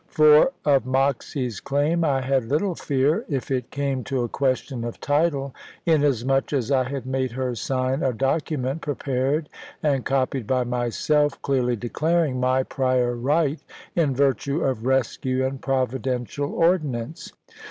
For of Moxy's claim I had little fear if it came to a question of title, inasmuch as I had made her sign a document prepared and copied by myself, clearly declaring my prior right in virtue of rescue and providential ordinance.